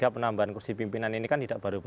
penambahan kursi pimpinan ini kan tidak baru